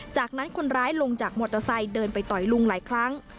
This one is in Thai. จากนั้นคนร้ายลงจากมอเตอร์ไซค์เดินไปต่อยลุงหลายครั้ง